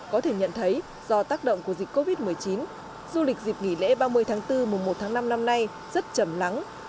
có thể nhận thấy do tác động của dịch covid một mươi chín du lịch dịp nghỉ lễ ba mươi tháng bốn mùa một tháng năm năm nay rất chầm lắng